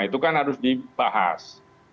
itu kan harus dibahas